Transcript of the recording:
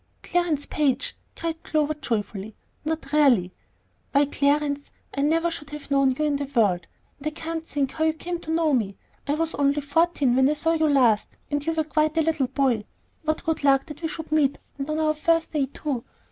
"Clarence Page!" cried Clover, joyfully; "not really! Why, Clarence, I never should have known you in the world, and I can't think how you came to know me. I was only fourteen when I saw you last, and you were quite a little boy. What good luck that we should meet, and on our first day too!